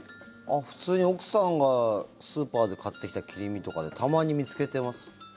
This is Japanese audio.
普通に奥さんがスーパーで買ってきた切り身とかでたまに見つけてます。